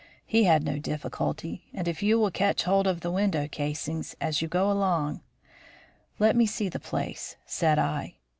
He had no difficulty, and if you will catch hold of the window casings as you go along " "Let me see the place," said I.